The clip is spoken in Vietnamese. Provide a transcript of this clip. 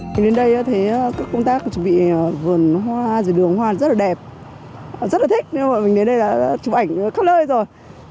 mình đến đây thấy các công tác chuẩn bị vườn hoa rửa đường hoa rất là đẹp rất là thích nên mình đến đây đã chụp ảnh khắp nơi rồi